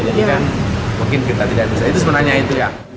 jadi kan mungkin kita tidak bisa itu sebenarnya itu ya